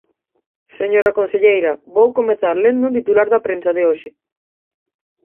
Señora conselleira, vou comezar lendo un titular da prensa de hoxe.